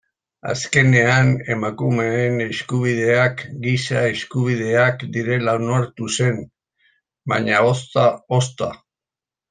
Azkenean emakumeen eskubideak giza eskubideak direla onartu zen, baina ozta-ozta.